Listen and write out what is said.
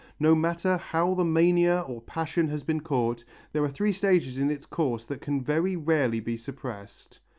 No matter how the mania or passion has been caught, there are three stages in its course that can very rarely be suppressed.